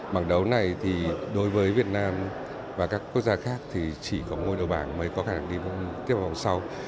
bảng đấu này thì đối với việt nam và các quốc gia khác thì chỉ có môi đầu bảng mới có khả năng đi tiếp vào vòng sau